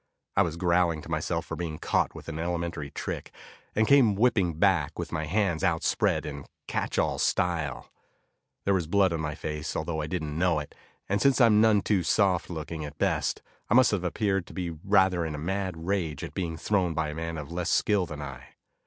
I was growling to myself for being caught with an elementary trick, and came whipping back with my hands outspread in catch all style. There was blood on my face, although I didn't know it, and since I'm none too soft looking at best, I must have appeared to be rather in a mad rage at being thrown by a man of less skill than I.